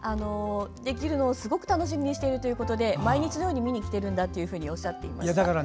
できるのをすごく楽しみにしているということで毎日のように見に行っているとおっしゃっていました。